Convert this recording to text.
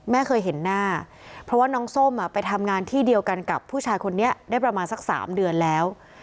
เคยเห็นหน้าเพราะว่าน้องส้มไปทำงานที่เดียวกันกับผู้ชายคนนี้ได้ประมาณสัก๓เดือนแล้ว